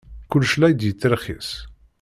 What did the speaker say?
Kullec la d-yettirxis.